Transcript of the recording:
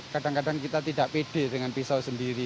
kadang kadang kita tidak pede dengan pisau sendiri